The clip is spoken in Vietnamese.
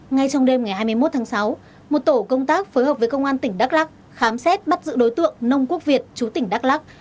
ngay trong đêm ngày hai mươi một tháng sáu một tổ công tác phối hợp với công an tỉnh đắk lắc khám xét bắt giữ đối tượng nông quốc việt chú tỉnh đắk lắc